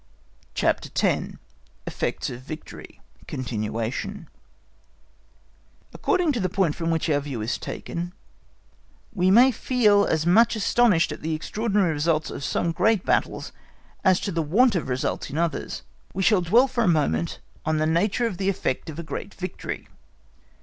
CHAPTER X. Effects of Victory According to the point from which our view is taken, we may feel as much astonished at the extraordinary results of some great battles as at the want of results in others. We shall dwell for a moment on the nature of the effect of a great victory.